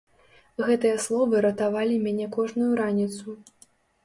Гэтыя словы ратавалі мяне кожную раніцу.